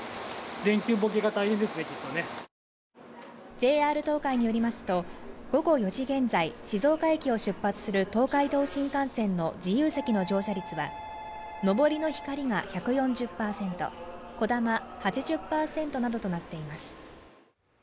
ＪＲ東海によりますと、午後４時現在、静岡駅を出発する東海道新幹線の自由席の乗車率は、上りのひかりが１４０％、こだま８０％などとなっています。